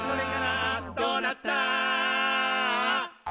「どうなった？」